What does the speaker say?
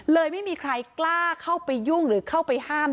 ไม่มีใครกล้าเข้าไปยุ่งหรือเข้าไปห้าม